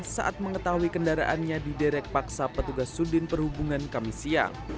saat mengetahui kendaraannya di derek paksa petugas sudin perhubungan kamis siang